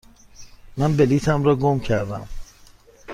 من بلیطم را گم کردم.